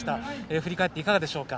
振り返っていかがでしょうか。